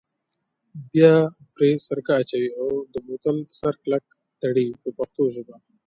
بیا پرې سرکه اچوئ او د بوتل سر کلک تړئ په پښتو ژبه.